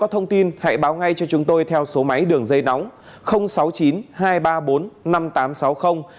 thông tin hãy báo ngay cho chúng tôi theo số máy đường dây nóng